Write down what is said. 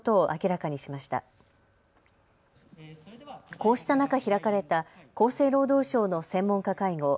こうした中開かれた厚生労働省の専門家会合。